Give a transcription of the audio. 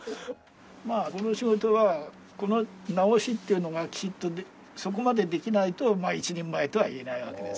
まあこの仕事はこの直しっていうのがきちっとそこまでできないと一人前とは言えないわけですから。